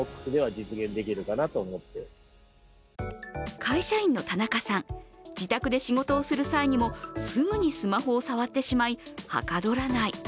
会社員の田中さん、自宅で仕事をする際にもすぐにスマホを触ってしまいはかどらない。